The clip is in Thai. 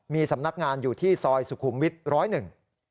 มีสำนักงานอยู่ที่ซอยสุขุมวิทย์ร้อยหนึ่ง